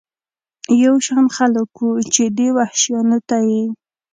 په شان خلک و، چې دې وحشیانو ته یې.